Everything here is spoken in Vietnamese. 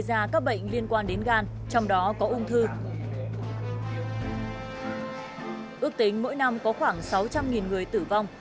ra các bệnh liên quan đến gan trong đó có ung thư ước tính mỗi năm có khoảng sáu trăm linh người tử vong